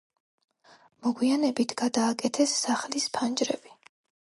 მოგვიანებით გადააკეთეს სახლის ფანჯრები.